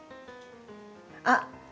あっ！